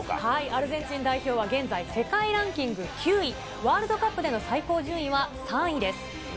アルゼンチン代表は現在、世界ランキング９位、ワールドカップでの最高順位は３位です。